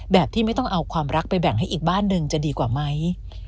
ที่ไม่ต้องเอาความรักไปแบ่งให้อีกบ้านหนึ่งจะดีกว่าไหม